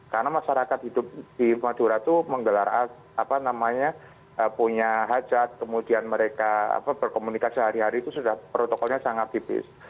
karena masyarakat hidup di madura itu menggelar apa namanya punya hajat kemudian mereka berkomunikasi sehari hari itu sudah protokolnya sangat tipis